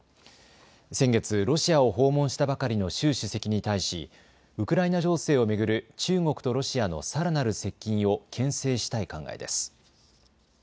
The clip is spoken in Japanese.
先月、ロシアを訪問したばかりの習主席に対しウクライナ情勢を巡る中国とロシアのさらなる接近をけん制したい考えです。